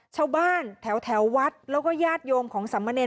ชาวบ้านแถววัดแล้วก็ญาติโยมของสามเณร